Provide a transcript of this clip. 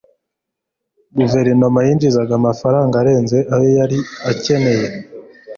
guverinoma yinjizaga amafaranga arenze ayo yari akeneye